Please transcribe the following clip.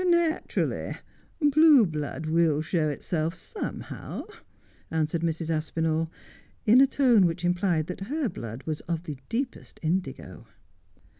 ' Naturally. Blue blood will show itself somehow,' answered Mrs. Aspinali, in a tone which implied that her blood was of the deepest indigo.